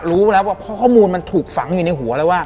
รู้แล้วว่าเพราะข้อมูลมันถูกฝังอยู่ในหัวแล้วว่า